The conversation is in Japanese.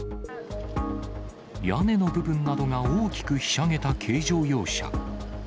屋根の部分などが大きくひしゃげた軽乗用車。